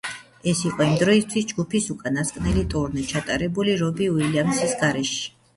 ეს იყო იმ დროისთვის ჯგუფის უკანასკნელი ტურნე, ჩატარებული რობი უილიამსის გარეშე.